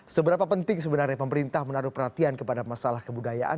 seberapa penting sebenarnya pemerintah menaruh perhatian kepada masalah kebudayaan